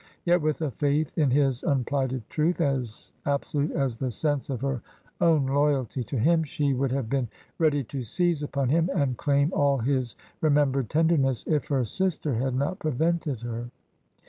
Yet with a faith in his unplighted truth as absolute as the sense of her own loyalty to him, she would have been ready to seize upon him, and claim all his remembered tenderness, if her sister had not prevented her.